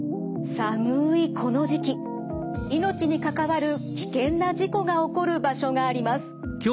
寒いこの時期命にかかわる危険な事故が起こる場所があります。